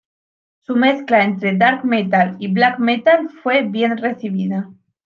Su mezcla entre Dark Metal y Black metal fue bien recibida.